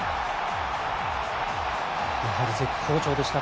やはり絶好調でした。